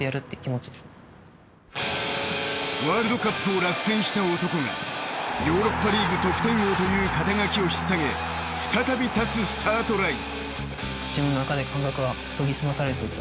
ワールドカップを落選した男がヨーロッパリーグ得点王という肩書きを引っ提げ再び立つスタートライン。